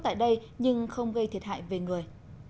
tại đây nhưng không gây thiệt hại về người